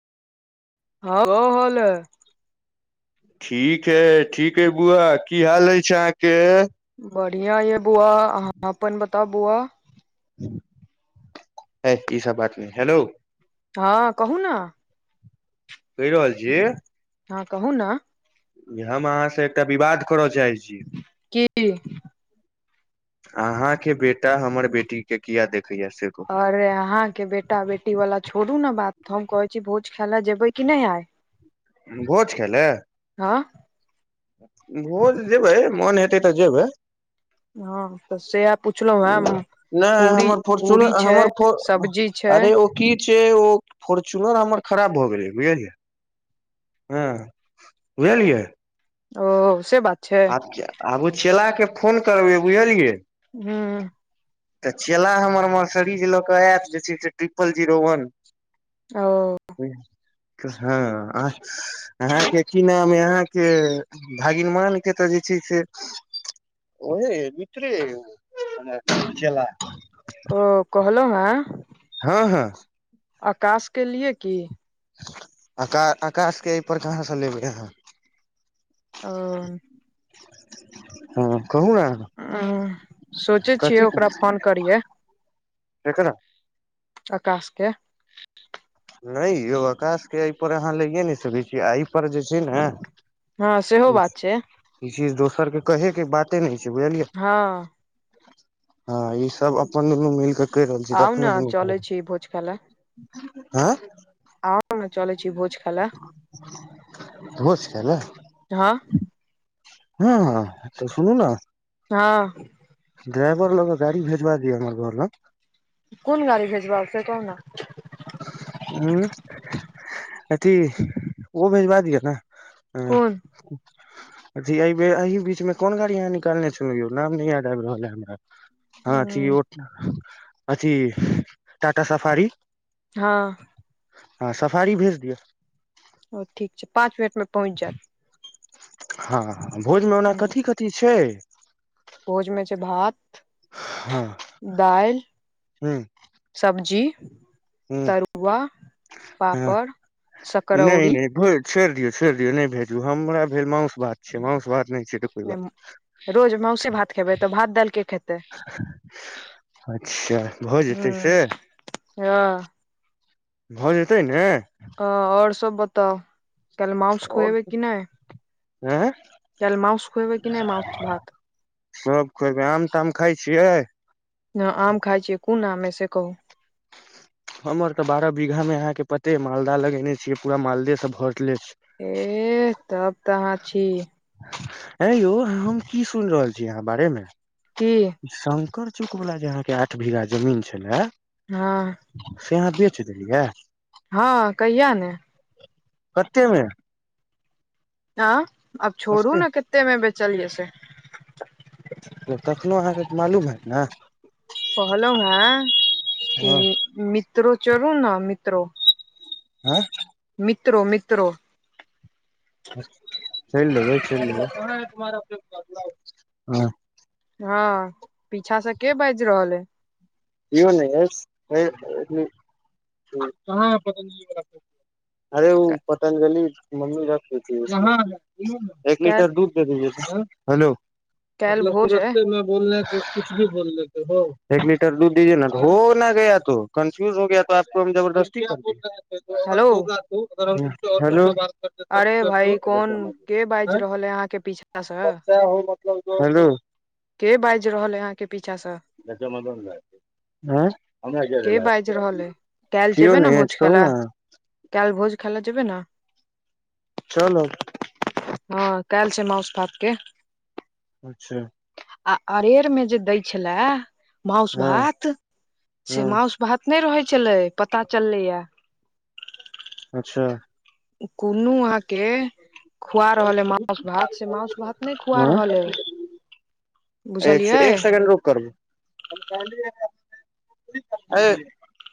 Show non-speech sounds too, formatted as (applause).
हँ (inaudible) हाल है (unintelligible) ठीक है ठीक है बुआ की हाल यै छै अहाँके बढ़िया यै बुआ अहाँ अपन बताउ बुआ हइ ई सब बात नहि हेलो हँ कहू न कहि रहल छि हँ कहू न हम अहाँ स एकटा विवाद कर चाहै छी की अहाँ के बेटा हमर बेटी के किया देखैया से अरे अहाँ के बेटा बेटी वला छोड़ू ने बात त हम कहे छी भोज खाय ले जेबै की नहि आय भोज खै ले हँ भोज जेबै मोन हेतै त जेबै हँ त से पुछलहुँ हेँ नहि पूरी हमर पूरी फर्चुनर छै हमर फर सब्जी छै अरे ओ की छैओ फोर्चुनर हमर खराब भए गेलै बुझलियै हँ बुझलियै ओ से बात छै आब आब उ चेला के फोन करबै बुझलियै हम्म तऽ चेला हमर मर्सिडीज ल कऽ आयत जे छै से ट्रिपल जीरो वन (inaudible) ओ हँ अहाँके की नाम अहाँके भगिनमान के तऽ जे छै से ओहे मित्र खेला ओ कहल हँं हँ हँ आकाश के लिए की आका आकाश के एहिपर कहाँसँ लेबै आहाँ ओ हँ कहू ने हं सोचे कथी छियै ओकरा फोन करिये केकरा अकाशके नय यौ अकाश के एहि पर अहाँ लइए नहि सकै छी एहि पर जे ने हँ सेहो बात छै ई चीज दोसर के कहे के बाते नय छै बुझलियै हँ हँ ई सब अपन मिलके कहि रहल छी आउ ने तखने दुनू चलै करब छी भोज हँ आ भोज छै ने हँ हँ हँ सुनू ने हँ ड्राइवर लऽ क गाड़ी भेजबा दिय हमर घर ल कोन गाड़ी भेजबाब से कहु न ह अथी ओ भेजबा दिअ न हँ कोन अथी एहि अही बीच में कोन गाड़ी अहाँ निकालने छलहु यौ नाम नहि याद आबि रहल हे हमरा हँथ ओ अथि टाटा सफारी हँ हँ सफारी भेज दिअ ओ ठीक छै पाँच मिनट में पहुँच जायत हँ भोज में ओना ह कथी कथी छै भोज में छै भात हँ दाइल हँ सब्जी तरुआ हँ पापड़ नहि सकरौरी नहि भोज छोड़ि दियौ छोड़ि दियौ नहि भेजू हमरा भेल मास भात छै मासु भात नहि छै तऽ कोइ ने- बात रोज माउस भात खेबै तऽ भात दाइल के खेतै अच्छा भऽ जेतै से हं भऽ जेतै ने अ ओर सब बताउ काल्हि मउस खुएबै कि नहि हं कल माउस खुएबै कि नय माउस भात सब खुएबई आम ताम खाइ छियै न आम खााय छियै कोन आम ह से कहू हमर तऽ बारह बीघा मे अहाँके पते मालदाह लगेने छियै पूरा मालदेसँ भरले छै एह तब तऽहाँ छी ऐ यौ हम की सुन रहल छी अहाँ के बारेमे की शंकर चौक वाला जे अहा के आठ भीघा जमीन छले हँ से अहाँ बेच देलियै हँ कहिया नै कतेमे अ अब छोड़ू ने कते मे बेचलिय से कखनो अहाँके मालूम हैत ने कहलहु हैं कि हँ मित्रो चरू ने मित्रो आँ मित्रो मित्रो चलि लेबै चलि लेबै हँ। हँ पीछा से के बाजि रहल अइ इहो नै हय (unintelligible) अरे ओ पतंजलि मम्मी रखी थी एक काल्हि लीटर दूध हेलो काल्हि मतलब भोज अइ तुरत्ते मे बोलने क कुछ (unintelligible) (unintelligible) हेलो (unintelligible) हेलो अरे करते भाई कोन के बाजि तो रहल हे अहां के पीछा से त है मतलब जे हेलो के बाजि रहल यै अहाँ के पीछा से जच मगन (unintelligible) के बाजि रहल अइ (unintelligible) छियै न छोरू न अहां कालि भोज खाय लए जेबै ने चलब हँ कालि छै मास भातके अच्छा आ अरेर मे जे दै छले माउस हँ भात से हँ मासु भात नहि रहै छलै पता चललैया अच्छा कुनू अहांके खुआ रहल है बहुत माछ कुछ भात हाल से जा मास भात नहि खुआ रहल हँ ऐ एक एक सेकंड रूक ई करबै अय